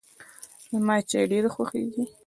زما چای ډېر خوښیږي.